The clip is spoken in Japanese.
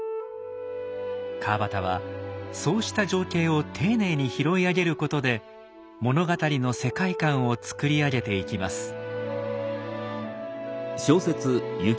川端はそうした情景を丁寧に拾い上げることで物語の世界観をつくり上げていきます。